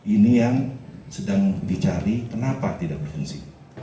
ini yang sedang dicari kenapa tidak berfungsi